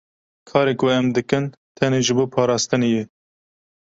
Karê ku em dikin tenê ji bo parastinê ye.